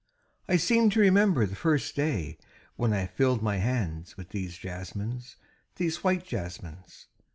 I seem to remember the first day when I filled my hands with these jasmines, these white jasmines.